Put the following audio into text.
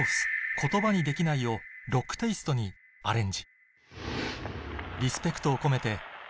『言葉にできない』をロックテイストにアレンジ